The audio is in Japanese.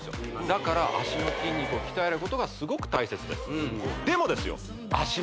だから脚の筋肉を鍛えることがすごく大切ですでもですよ